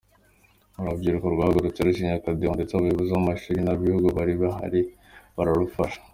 Urubyiruko rwahagurutse rucinya akadiho, ndetse abayobozi b’amashuri n’ab’igihugu bari baharí bararufasha.